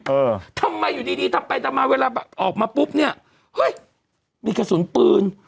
เออทำไมอยู่ดีดีทำไปทำมาเวลาแบบออกมาปุ๊บเนี่ยเฮ้ยมีกระสุนปืน